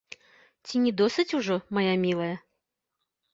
Ці не досыць ужо, мая мілая?